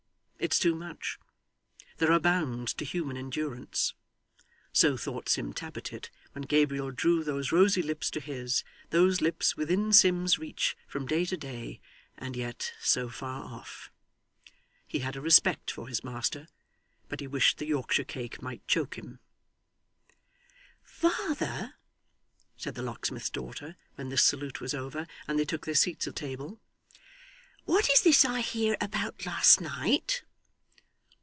It's too much. There are bounds to human endurance. So thought Sim Tappertit when Gabriel drew those rosy lips to his those lips within Sim's reach from day to day, and yet so far off. He had a respect for his master, but he wished the Yorkshire cake might choke him. 'Father,' said the locksmith's daughter, when this salute was over, and they took their seats at table, 'what is this I hear about last night?